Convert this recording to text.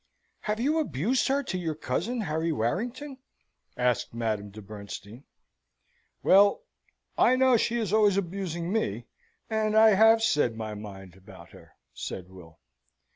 "Have you abused her to your cousin, Harry Warrington?" asked Madame de Bernstein. "Well I know she is always abusing me and I have said my mind about her," said Will.